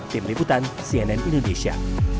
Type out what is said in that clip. tim liputan cnn indonesia